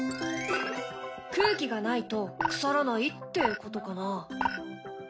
空気がないと腐らないってことかな？